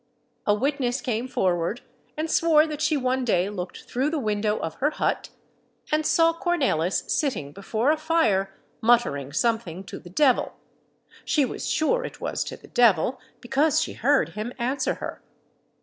A witness came forward and swore that she one day looked through the window of her hut, and saw Kornelis sitting before a fire muttering something to the devil. She was sure it was to the devil, because she heard him answer her.